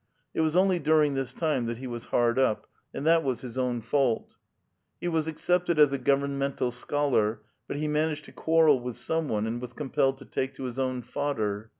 It was ouly during this time that he was hard up ; and that was his own fault. He was accepted as a governmental scholar, but he managed to quarrel with some one and was compelled to take to his own fodder.